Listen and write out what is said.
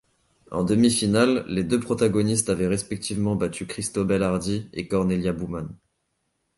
En demi-finale, les deux protagonistes avaient respectivement battu Cristobel Hardie et Cornelia Bouman.